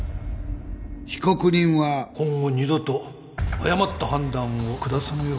被告人は今後二度と誤った判断を下さぬよう